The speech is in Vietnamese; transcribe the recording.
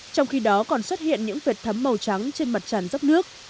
trong khi đó còn xuất hiện những vệt thấm màu trắng trên mặt tràn dốc nước